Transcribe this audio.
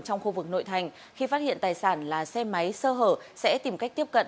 trong khu vực nội thành khi phát hiện tài sản là xe máy sơ hở sẽ tìm cách tiếp cận